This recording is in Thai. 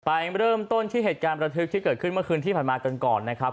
ไปเริ่มต้นที่เหตุการณ์ประทึกที่เกิดขึ้นเมื่อคืนที่ผ่านมากันก่อนนะครับ